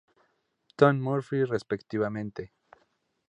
Tom Murphy respectivamente.